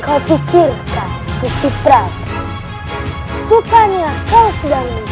tariscan dari dunia ini